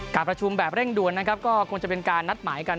การประชุมแบบเร่งด่วนนะครับก็คงจะเป็นการนัดหมายกัน